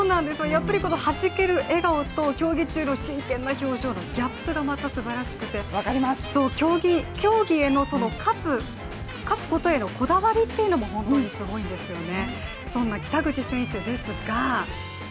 やっぱりこのはじける笑顔と競技中の真剣な表情のギャップがまたすばらくして、競技への勝つことへのこだわりというのも本当にすごいんですよね。